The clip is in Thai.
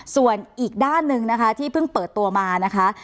ส่วนอีกด้านหนึ่งนะคะที่เพิ่งเปิดตัวมานะคะ